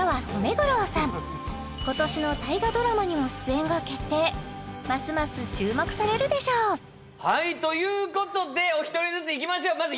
今年の大河ドラマにも出演が決定ますます注目されるでしょうということでお１人ずついきましょう